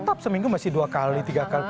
tetap seminggu masih dua kali tiga kali